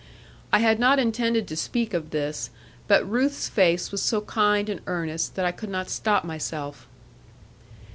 I had not intended to speak of this, but Ruth's face was so kind and earnest, that I could not stop myself.